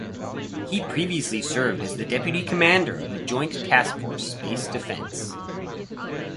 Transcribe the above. He previously served as the deputy commander of the Joint Task Force–Space Defense.